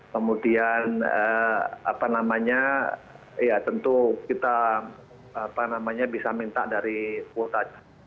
kemudian apa namanya ya tentu kita apa namanya bisa minta dari kuota